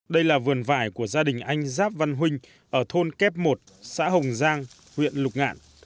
đây là vườn vải của gia đình anh giáp văn huynh ở thôn kép một xã hồng giang huyện lục ngạn